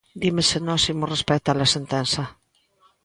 Dime se nós imos respectar a sentenza.